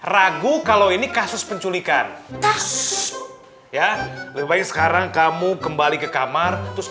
jadi kalian cari penculiknya sampai ketemu